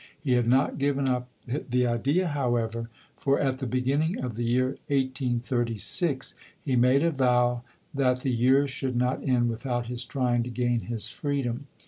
He had not given up the idea, however, for at the beginning of the year 1836 he made a vow that the year should not end without his trying to gain his freedom.